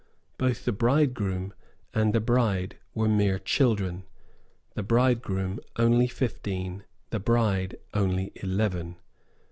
Both the bridegroom and the bride were mere children, the bridegroom only fifteen, the bride only eleven.